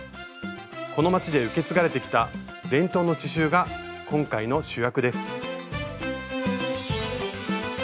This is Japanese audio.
この街で受け継がれてきた伝統の刺しゅうが今回の主役です。